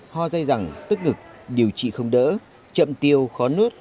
ho dây dẳng tức ngực điều trị không đỡ chậm tiêu khó nuốt